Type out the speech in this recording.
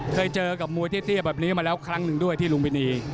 เคยเจอกับมวยเตี้ยแบบนี้มาแล้วครั้งหนึ่งด้วยที่ลุมพินี